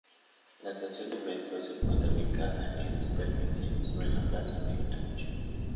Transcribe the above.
La estación de metro se encuentra ubicada en superficie, sobre la plaza de Aluche.